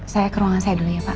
saya ke ruangan saya dulu ya pak